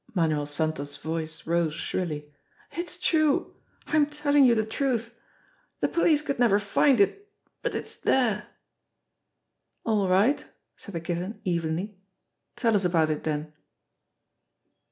Manuel Santos' voice rose shrilly. "It's true! J'm telling you the truth. The police could never find it, but it's there." "All right," said the Kitten evenly. "Tell us about it, den."